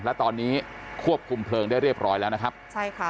และตอนนี้ควบคุมเพลิงได้เรียบร้อยแล้วนะครับใช่ค่ะ